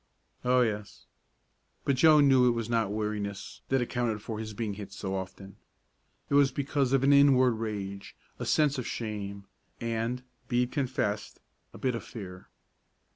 "Oh, yes," but Joe knew it was not weariness that accounted for his being hit so often. It was because of an inward rage, a sense of shame, and, be it confessed, a bit of fear.